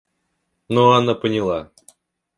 Но Анна поняла.